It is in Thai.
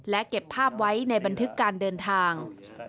และเก็บภาพไว้ในบันทึกการเดินทาง